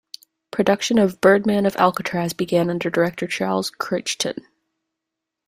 Production of "Birdman of Alcatraz" began under director Charles Crichton.